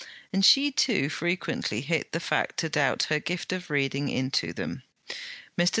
And she too frequently hit the fact to doubt her gift of reading into them. Mr.